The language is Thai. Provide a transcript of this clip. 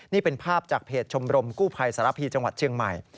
นี่เป็นภาพจากเพจชมรมกู้ภัยสารพีจังหวัดเชียงใหม่